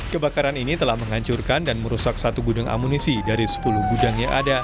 kebakaran ini telah menghancurkan dan merusak satu gudang amunisi dari sepuluh gudang yang ada